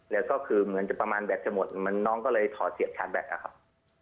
แล้วก็คือเหมือนจะประมาณแบตจะหมดเหมือนน้องก็เลยถอดเสียบชาร์แบ็คอะครับ